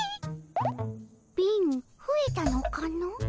貧ふえたのかの。